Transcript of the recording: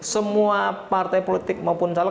semua partai politik maupun calon